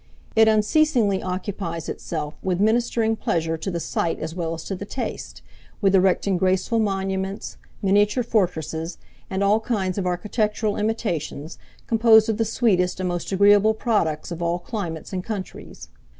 It unceasingly occupies itself with ministering pleasure to the sight as well as to the taste; with erecting graceful monuments, miniature fortresses, and all kinds of architectural imitations, composed of the sweetest and most agreeable products of all climates and countries.